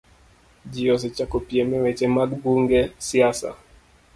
Ji osechako piem e weche mag bunge, siasa,